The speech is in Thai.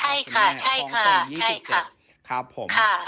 ใช่ค่ะซิครับครับผมครับ